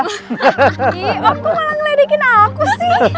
ki aku malah ngeledekin aku sih